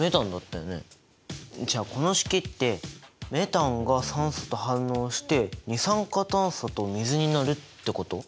じゃあこの式ってメタンが酸素と反応して二酸化炭素と水になるってこと？